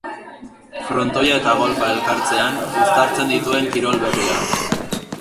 Frontoia eta golf-a elkartzen, uztartzen dituen kirol berria.